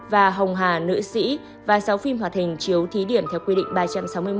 và hồng hà nữ sĩ và sáu phim hoạt hình chiếu thí điểm theo quy định ba trăm sáu mươi một